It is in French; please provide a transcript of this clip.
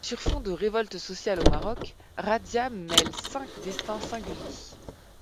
Sur fond de révoltes sociales au Maroc, Razzia mêle cinq destins singuliers.